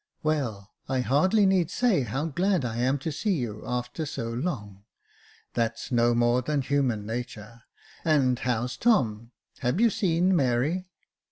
Well, I hardly need say how glad I am to see you after so long ; that's no more than human natur. And how's Tom ? Have you seen Mary